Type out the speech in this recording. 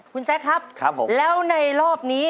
คุณแซคครับผมแล้วในรอบนี้